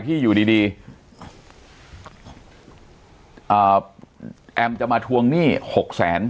ที่อยู่ดีแอมฟ์จะมาฮวงหนี้๖แสน